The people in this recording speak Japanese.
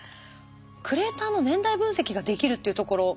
クレーターの年代分析ができるっていうところ。